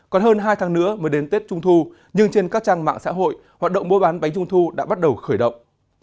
còn hơn hai tháng nữa mới đến tết trung thu nhưng trên các trang mạng xã hội hoạt động mua bán bánh trung thu đã bắt đầu khởi động